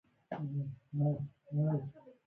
افغانستان کې لوگر د چاپېریال د تغیر نښه ده.